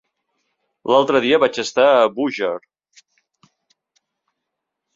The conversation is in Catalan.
L'altre dia vaig estar a Búger.